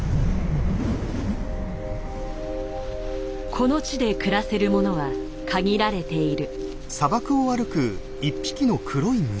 この地で暮らせるものは限られている。